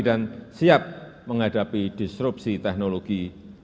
dan siap menghadapi disrupsi teknologi